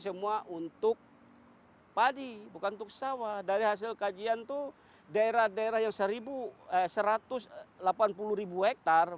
semua untuk hai padi bukan tuk sawah dari hasil kajian tuh daerah daerah yang seribu seratus delapan puluh hektare